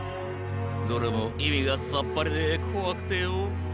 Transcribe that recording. どれもいみがさっぱりでこわくてよ。